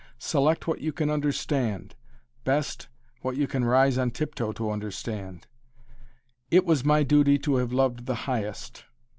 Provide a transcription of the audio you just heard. Select what you can understand best, what you can rise on tiptoe to understand. "It was my duty to have loved the highest."